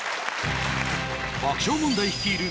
爆笑問題率いる